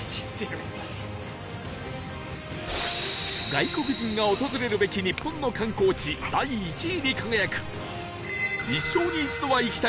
外国人が訪れるべき日本の観光地第１位に輝く